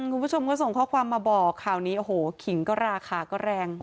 คุณผู้ชมก็ส่งข้อความมาบอกข่าวนี้โอ้โหขิงก็ราคาก็แรง